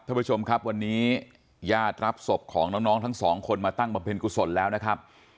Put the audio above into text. ท่านผู้ชมครับวันนี้ญาติรับศพของน้องทั้งสองคนมาตั้งบำเพ็ญกุศลแล้วนะครับ